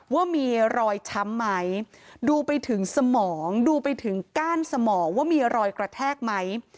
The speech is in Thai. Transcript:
ว่ามีรอยช้ำไหมดูไปถึงสมองดูไปถึงก้านสมองว่ามีรอยกระแทกไหม